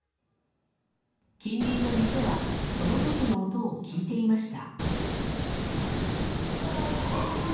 近隣の店はその時の音を聞いていました。